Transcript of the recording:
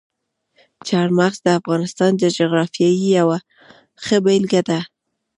چار مغز د افغانستان د جغرافیې یوه ښه بېلګه ده.